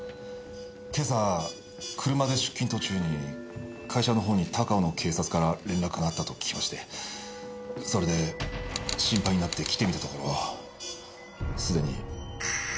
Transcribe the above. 今朝車で出勤途中に会社のほうに高尾の警察から連絡があったと聞きましてそれで心配になって来てみたところすでに社長は玄関先で亡くなっていました。